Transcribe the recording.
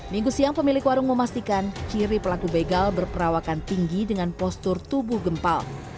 minggu siang pemilik warung memastikan ciri pelaku begal berperawakan tinggi dengan postur tubuh gempal